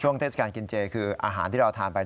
เทศกาลกินเจคืออาหารที่เราทานไป